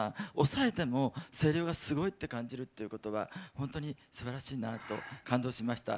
抑えても声量がすごいって感じるっていうことは本当にすばらしいなと感動しました。